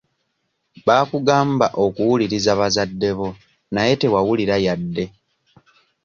Baakugamba okuwuliriza bazadde bo naye tewawulira yadde.